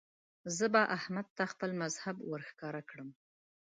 زه به احمد ته خپل مذهب ور ښکاره کړم.